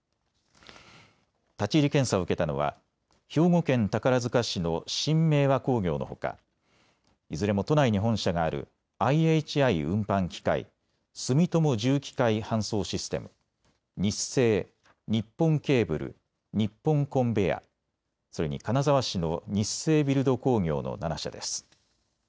立ち入り検査を受けたのは兵庫県宝塚市の新明和工業のほかいずれも都内に本社があるＩＨＩ運搬機械、住友重機械搬送システム、日精、日本ケーブル、日本コンベア、それに金沢市の日成ビルド工業の７社です。